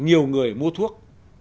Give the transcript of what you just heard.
nhiều người mua thuốc